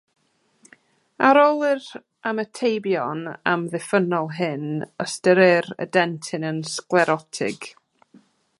Ar ôl yr ymatebion amddiffynnol hyn, ystyrir y dentin yn sglerotig.